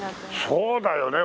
そうだよね。